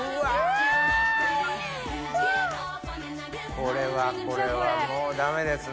これはこれはもうダメですね。